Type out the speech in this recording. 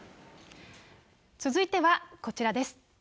続いてはこちらです。